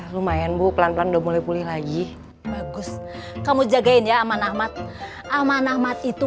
lumayan bu pelan pelan udah mulai pulih lagi bagus kamu jagain ya amanahmat amanahmat itu